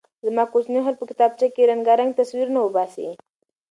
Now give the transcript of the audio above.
زما کوچنۍ خور په کتابچه کې رنګارنګ تصویرونه وباسي.